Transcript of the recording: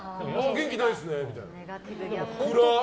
元気ないっすねみたいな。暗っ！